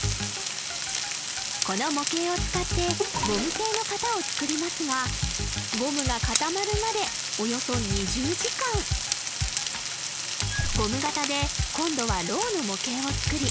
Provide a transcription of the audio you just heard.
この模型を使ってゴム製の型を作りますがゴムが固まるまでおよそ２０時間ゴム型で今度はロウの模型を作り